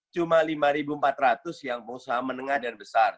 cuma lima empat ratus yang pengusaha menengah dan besar